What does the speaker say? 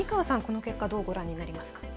この結果どうご覧になりますか？